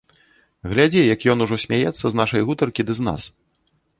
Глядзі, як ён ужо смяецца з нашай гутаркі ды з нас.